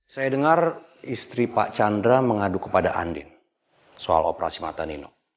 saya dengar istri pak chandra mengadu kepada andin soal operasi mata nino